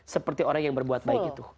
seperti orang yang berbuat baik itu